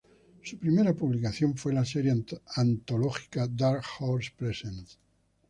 Su primera publicación fue la serie antológica Dark Horse Presents.